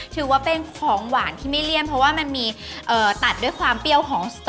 ถือว่าเป็นของหวานที่ไม่เลี่ยนเพราะว่ามันมีตัดด้วยความเปรี้ยวของสตอ